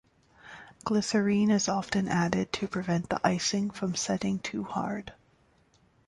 Glycerine is often added to prevent the icing from setting too hard.